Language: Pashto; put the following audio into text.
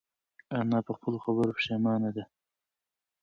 انا په خپلو خبرو پښېمانه ده.